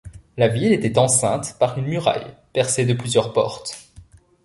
La ville était enceinte par une muraille, percée de plusieurs portes.